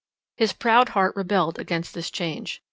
His proud heart rebelled against this change.